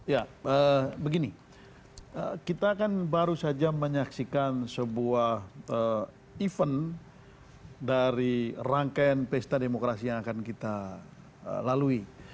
ya begini kita kan baru saja menyaksikan sebuah event dari rangkaian pesta demokrasi yang akan kita lalui